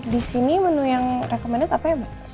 disini menu yang recommended apa ya mbak